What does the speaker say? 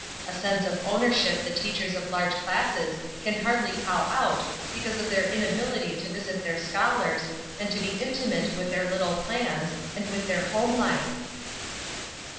A sense of ownership that teachers of large classes can hardly call out because of their inability to visit their scholars, and to be intimate with their little plans, and with their home life."